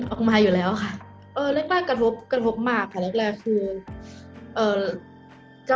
ออกมาอยู่แล้วค่ะแรกร่างกระทบมากค่ะ